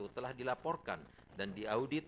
telah dilaporkan dan diaudit